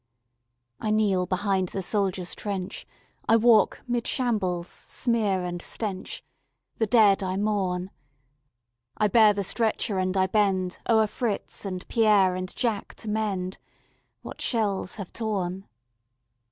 I kneel behind the soldier's trench, I walk 'mid shambles' smear and stench, The dead I mourn; I bear the stretcher and I bend O'er Fritz and Pierre and Jack to mend What shells have torn.